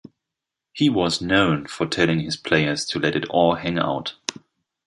He was known for telling his players to let it all hang out.